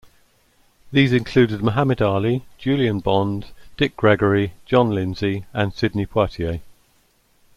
These included Muhammad Ali, Julian Bond, Dick Gregory, John Lindsay and Sidney Poitier.